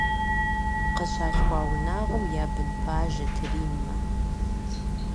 Къыщалъхуа унагъуэм я бын пажэт Риммэ.